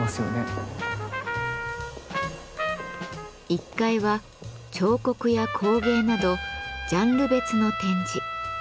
１階は彫刻や工芸などジャンル別の展示。